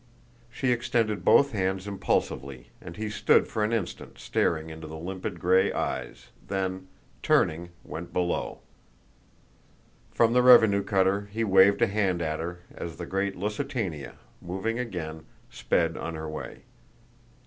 She extended both hands impulsively and he stood for an instant staring into the limpid gray eyes, then, turning, went below. From the revenue cutter he waved a hand at her as the great Lusitania, moving again, sped on her way.